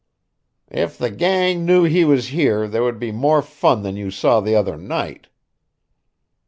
"If the gang knew he was here there would be more fun than you saw the other night."